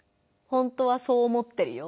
「本当はそう思ってるよ。